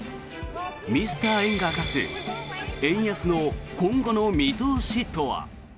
ミスター円が明かす円安の今後の見通しとは？